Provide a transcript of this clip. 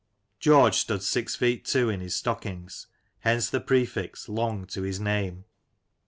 George stood six feet two inches in his stockings, hence the prefix, " Long," to his name.